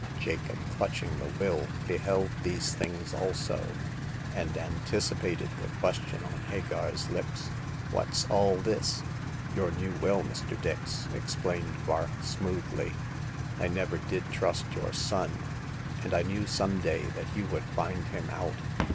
Jacob, clutching the will, beheld these things also, and anticipated the question on Hagar's lips. Whafs all this?" " Your new will, Mr. Dix," explained Vark, smoothly. I never did trust your son, and I knew some day that you would find him out.